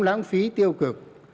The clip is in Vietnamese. lãng phí tiêu cực